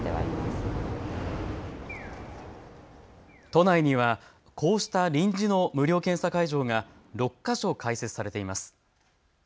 都内にはこうした臨時の無料検査会場が６か所開設されています。